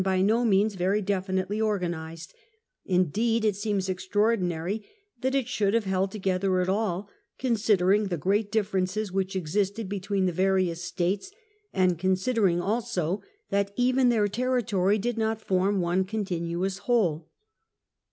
by no means very definitely organised ; federation indeed it seems extraordinary that it should have held together at all, considering the great differences which existed between the various States, and considering also that even their territory did not form one continuous whole.